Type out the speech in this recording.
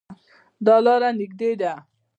دا لار نږدې ده